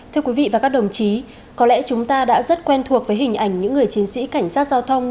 thưa quý vị và các đồng chí có lẽ chúng ta đã rất quen thuộc với hình ảnh những người chiến sĩ cảnh sát giao thông